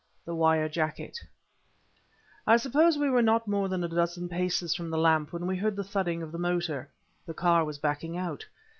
THE WIRE JACKET I suppose we were not more than a dozen paces from the lamp when we heard the thudding of the motor. The car was backing out!